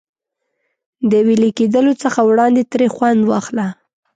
د وېلې کېدلو څخه وړاندې ترې خوند واخله.